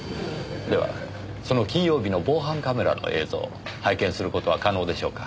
ではその金曜日の防犯カメラの映像を拝見する事は可能でしょうか？